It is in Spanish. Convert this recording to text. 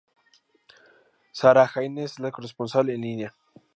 Sara Haines es la corresponsal en línea.